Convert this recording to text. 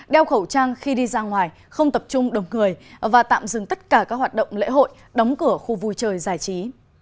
đeo khẩu trang khi đi ra ngoài không tập trung đồng người và tạm dừng tất cả các hoạt động lễ hội đóng cửa khu vui chơi giải trí